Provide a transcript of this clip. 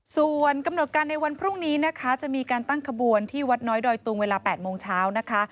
ส่วนกำหนดการในวันพรุ่งนี้นะคะจะมีการตั้งขบวนที่วัดน้อยดอยตุงเวลา๘โมงเช้านะคะ